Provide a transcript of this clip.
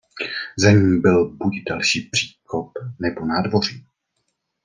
Za ním byl buď další příkop nebo nádvoří.